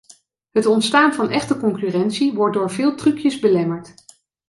Het ontstaan van echte concurrentie wordt door veel trucjes belemmerd.